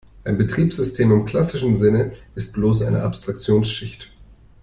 Ein Betriebssystem im klassischen Sinne ist bloß eine Abstraktionsschicht.